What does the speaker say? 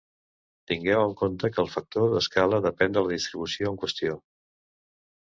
Tingueu en compte que el factor d'escala depèn de la distribució en qüestió.